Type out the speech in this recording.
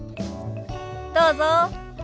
どうぞ。